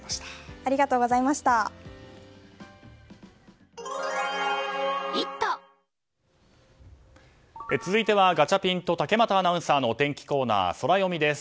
麻生さん、ここまで続いてはガチャピンと竹俣アナウンサーのお天気コーナー、ソラよみです。